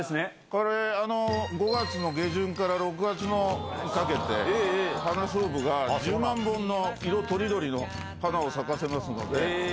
これ、５月の下旬から６月にかけて、花菖蒲が１０万本の色とりどりの花を咲かせますので。